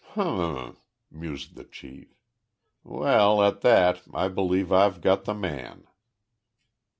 "H m m!" mused the chief. "Well, at that, I believe I've got the man."